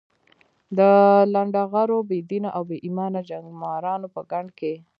د لنډه غرو، بې دینه او بې ایمانه جنګمارانو په ګند کې.